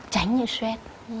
tránh như stress